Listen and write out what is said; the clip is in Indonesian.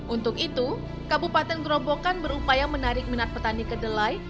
untuk itu kabupaten gerobokan berupaya menarik minat petani kedelai